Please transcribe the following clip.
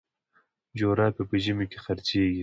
جراپي په ژمي کي خرڅیږي.